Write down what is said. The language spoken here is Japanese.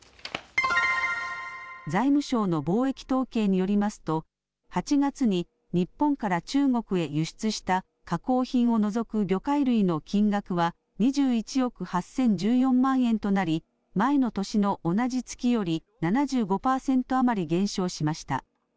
財務省の貿易統計によりますと８月に日本から中国へ輸出した加工品を除く魚介類の金額は２１億８０１４万円となり前の年の同じ月より７５％余り減少しました。